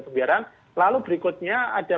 pembiaran lalu berikutnya ada